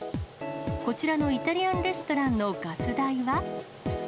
こちらのイタリアンレストランのガス代は。